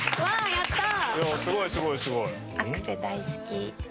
やったー。